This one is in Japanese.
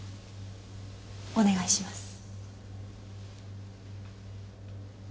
お願いします。